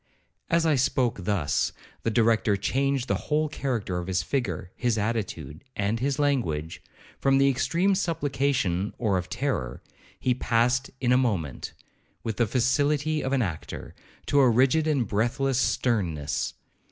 As I spoke thus, the Director changed the whole character of his figure, his attitude, and his language;—from the extreme of supplication or of terror, he passed in a moment, with the facility of an actor, to a rigid and breathless sternness.